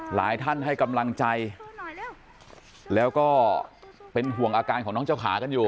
หลายท่านให้กำลังใจแล้วก็เป็นห่วงอาการของน้องเจ้าขากันอยู่